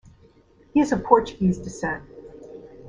He is of Portuguese descent.